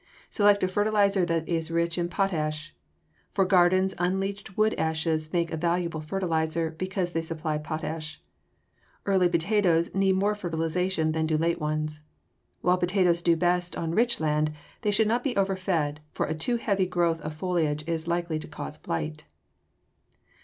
Select a fertilizer that is rich in potash. For gardens unleached wood ashes make a valuable fertilizer because they supply potash. Early potatoes need more fertilization than do late ones. While potatoes do best on rich land, they should not be overfed, for a too heavy growth of foliage is likely to cause blight.